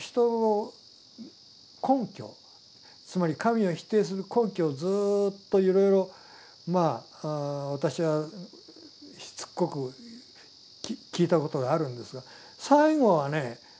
つまり神を否定する根拠をずっといろいろまあ私はしつこく聞いたことがあるんですが最後はね